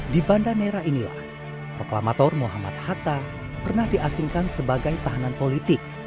di banda nera inilah proklamator muhammad hatta pernah diasingkan sebagai tahanan politik